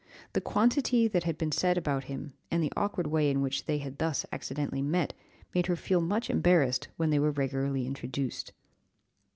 The quantity that had been said about him, and the awkward way in which they had thus accidentally met, made her feel much embarrassed when they were regularly introduced.